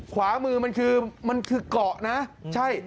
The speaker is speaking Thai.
ขวามือมันคือเกาะนะใช่